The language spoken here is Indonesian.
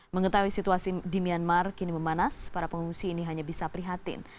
mengetahui situasi di myanmar kini memanas para pengungsi ini hanya bisa prihatin